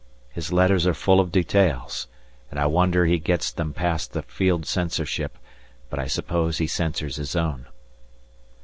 His letters are full of details, and I wonder he gets them past the Field Censorship, but I suppose he censors his own.